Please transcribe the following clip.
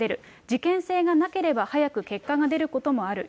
事件性がなければ、早く結果が出ることもある。